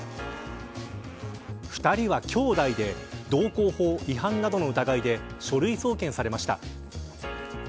２人は兄弟で道交法違反などの疑いで書類送検されました。